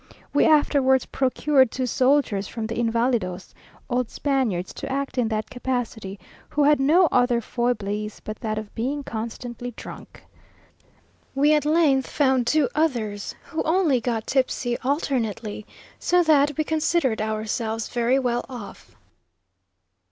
We afterwards procured two soldiers from the Invalidos, old Spaniards, to act in that capacity, who had no other foiblesse but that of being constantly drunk. We at length found two others, who only got tipsy alternately, so that we considered ourselves very well off.